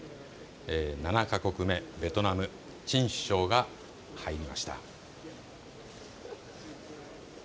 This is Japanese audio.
７か国目、ベトナム、チン首相が入りました。